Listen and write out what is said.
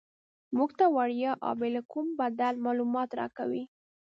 موږ ته وړیا او بې له کوم بدل معلومات راکوي.